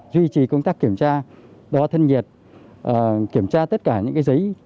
duy trì công tác kiểm tra đo thân nhiệt kiểm tra tất cả những giấy